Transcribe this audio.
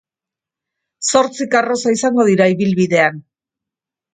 Zortzi karroza izango dira ibilbidean.